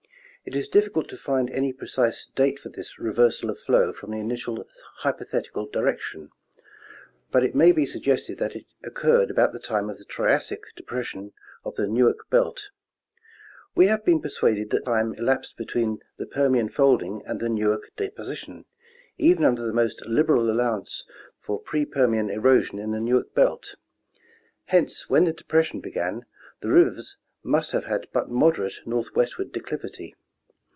It is difficult to find any precise date for this reversal of flow from the initial hypothetical direction, but it may be suggested that it occurred about the time of the Triassic depression of the Newark belt. We have been persuaded that much time elapsed between the Permian folding and the Newark deposition, even under the most liberal allowance for pre Permian erosion in the Newark belt ; hence when the depression began, the rivers must 230 National Geogra/phic Magazme. have had but moderate northwestward declivity.